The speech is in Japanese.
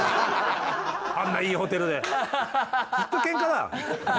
あんないいホテルで。